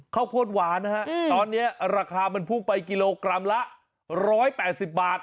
ข้าวโพดหวานนะฮะตอนนี้ราคามันพุ่งไปกิโลกรัมละ๑๘๐บาท